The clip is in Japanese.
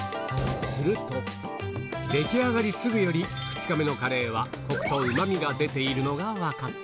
すると、出来上がりすぐより、２日目のカレーはこくとうまみが出ているのが分かった。